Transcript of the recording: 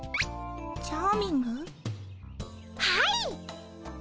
はい。